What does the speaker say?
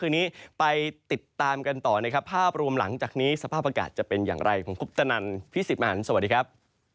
คุณผู้ชมดูภาพอากาศหลังจากนี้เนี่ยนะครับบริเวณตอนกลางประเทศช่วงเช้าวันนี้เนี่ยนะครับ